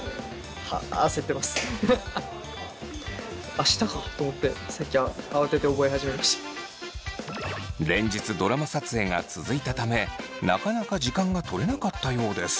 「明日か」と思ってさっき連日ドラマ撮影が続いたためなかなか時間がとれなかったようです。